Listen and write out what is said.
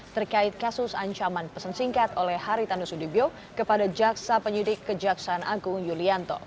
terkait kasus ancaman pesan singkat oleh haritanu sudibyo kepada jaksa penyidik kejaksaan agung yulianto